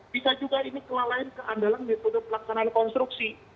bisa juga ini kelalaian keandalan metode pelaksanaan konstruksi